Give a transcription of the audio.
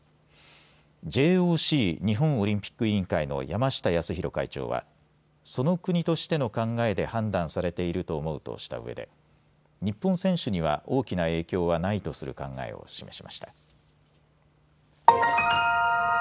ＪＯＣ・日本オリンピック委員会の山下泰裕会長はその国としての考えで判断されていると思うとしたうえで日本選手には大きな影響はないとする考えを示しました。